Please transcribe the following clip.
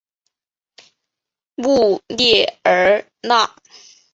穆列尔讷。